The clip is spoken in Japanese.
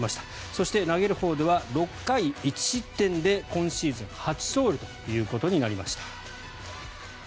そして、投げるほうでは６回１失点で今シーズン初勝利となりました。